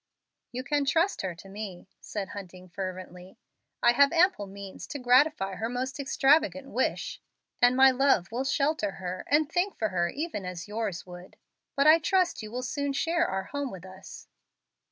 "You can trust her to me," said Hunting, fervently. "I have ample means to gratify her most extravagant wish, and my love will shelter her and think for her even as yours would. But I trust you will soon share our home with us."